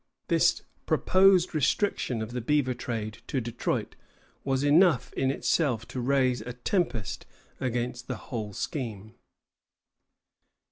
This proposed restriction of the beaver trade to Detroit was enough in itself to raise a tempest against the whole scheme.